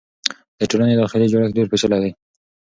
د ټولنې داخلي جوړښت ډېر پېچلی دی.